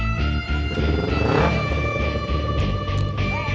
gue duluan ya